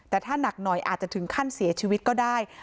แต่ถ้าหนักหน่อยอาจจะถึงขั้นเสียชีวิตก็ได้